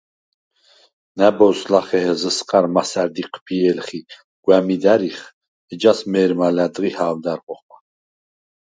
ნა̈ბოზს ლახე ზჷსყა̈რ მასა̈რდ იჴა̄̈ფიე̄ლხ ი გვა̈მიდ ა̈რიხ, ეჯას მე̄რმა ლა̈დღი ჰა̄ვდა̈რ ხოხა.